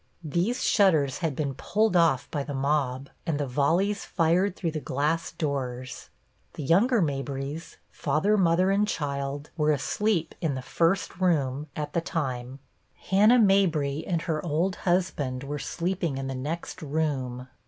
These shutters had been pulled off by the mob and the volleys fired through the glass doors. The younger Mabrys, father, mother and child, were asleep in the first room at the time. Hannah Mabry and her old husband were sleeping in the next room.